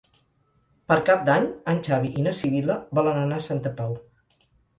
Per Cap d'Any en Xavi i na Sibil·la volen anar a Santa Pau.